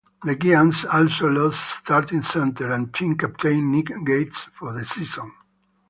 The Giants also lost starting center and team captain Nick Gates for the season.